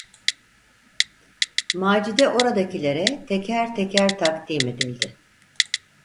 Macide oradakilere teker teker takdim edildi.